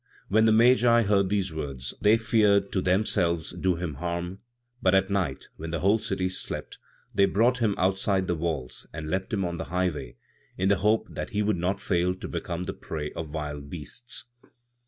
When the Magi heard these words, they feared to themselves do him harm, but at night, when the whole city slept, they brought him outside the walls and left him on the highway, in the hope that he would not fail to become the prey of wild beasts.